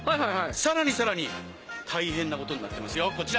さらにさらに大変なことになってますよこちら。